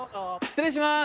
失礼します。